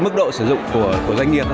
mức độ sử dụng của doanh nghiệp đó